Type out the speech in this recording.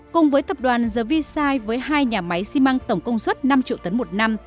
cùng với tập đoàn the viside với hai nhà máy xi măng tổng công suất năm triệu tấn một năm